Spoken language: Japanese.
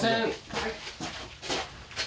はい。